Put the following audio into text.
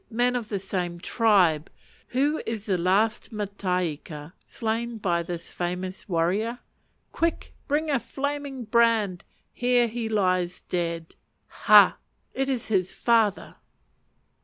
men of the same tribe! Who is the last mataika slain by this famous warrior? Quick, bring a flaming brand here he lies dead! Ha! It is his father!